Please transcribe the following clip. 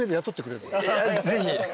ぜひ。